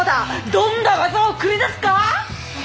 どんな技を繰り出すか！？